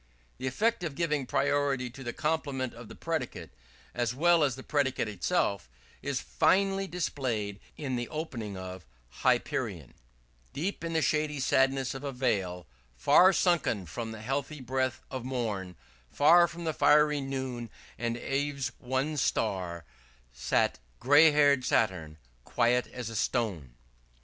§ 21. The effect of giving priority to the complement of the predicate, as well as the predicate itself, is finely displayed in the opening of 'Hyperion': "_Deep in the shady sadness of a vale Far sunken from the healthy breath of morn, Far from the fiery noon and eve's one star Sat_ gray haired Saturn, quiet as a stone."